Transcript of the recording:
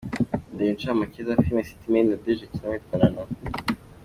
Reba Incamake za Filime City Maid Nadege Akinamo yitwa Nana.